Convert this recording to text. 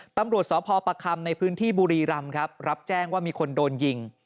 ตำรวจสพประคำในพื้นที่บุรีรำครับรับแจ้งว่ามีคนโดนยิง